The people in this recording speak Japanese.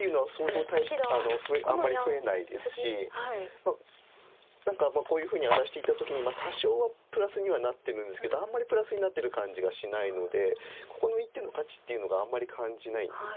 まあ何かこういうふうに荒らしていった時に多少はプラスにはなってるんですけどあんまりプラスになってる感じがしないのでここの一手の価値っていうのがあんまり感じないんです。